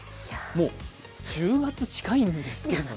もう１０月近いんですけれどもね。